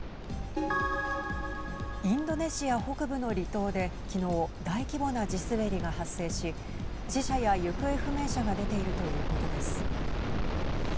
インドネシア北部の離島で昨日、大規模な地滑りが発生し死者や行方不明者が出ているということです。